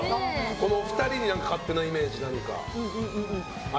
このお二人に勝手なイメージ何かありますか。